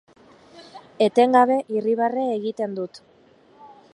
Etengabe irribarre egiten dut.